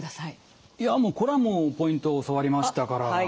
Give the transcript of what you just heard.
いやこれはもうポイントを教わりましたから。